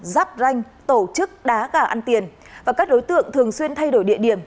giáp ranh tổ chức đá gà ăn tiền và các đối tượng thường xuyên thay đổi địa điểm